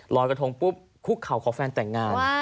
รอยกระทงปุ๊บคุกเข่าขอแฟนแต่งงาน